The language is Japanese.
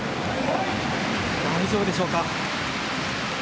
大丈夫でしょうか。